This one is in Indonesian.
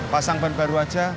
pasang ban baru aja